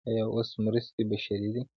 آیا اوس مرستې بشري دي؟